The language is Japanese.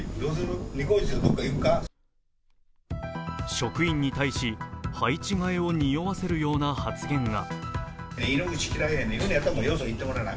職員に対し、配置換えをにおわせるような発言が。